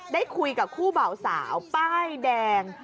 ได้คุยกับคู่เบาสาวป้ายแดง